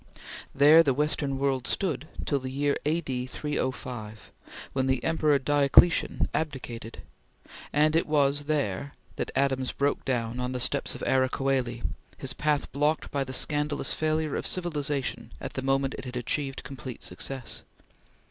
There the Western world stood till the year A.D. 305, when the Emperor Diocletian abdicated; and there it was that Adams broke down on the steps of Ara Coeli, his path blocked by the scandalous failure of civilization at the moment it had achieved complete success.